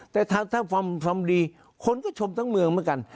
แต่ถ้าฟังดีคนก็ชมทั้งเมืองเหมือนกัน